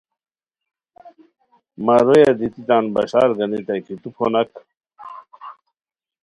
مہ رویا دیتی تان بشار گانیتائے کی تو پھوناک